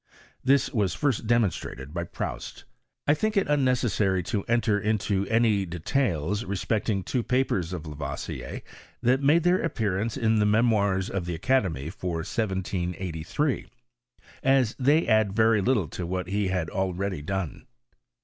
This was first demonstrated by Proust. 1 think it unnecessary to enter into any details re specting two papers of Lavoisier, that made their , appearance in the Memoirs of the Academy, for 1 783, as they add very little to what he had already done.